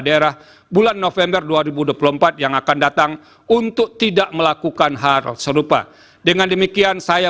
daerah bulan november dua ribu dua puluh empat yang akan datang untuk tidak melakukan hal serupa dengan demikian saya